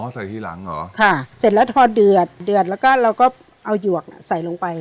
ใส่ทีหลังเหรอค่ะเสร็จแล้วพอเดือดเดือดแล้วก็เราก็เอาหยวกน่ะใส่ลงไป